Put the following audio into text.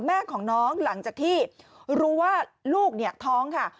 แม่ของน้องหลังจากที่รู้ว่าลูกเนี่ยท้องค่ะ